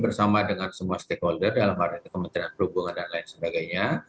bersama dengan semua stakeholder dalam hal ini kementerian perhubungan dan lain sebagainya